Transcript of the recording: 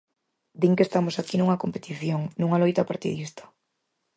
Din que estamos aquí nunha competición, nunha loita partidista.